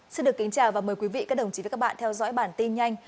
xin được kính chào và mời quý vị các đồng chí và các bạn theo dõi bản tin nhanh